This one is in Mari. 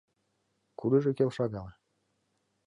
«Кудыжо келша гала